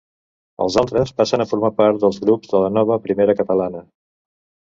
Els altres passen a formar part dels grups de la nova Primera Catalana.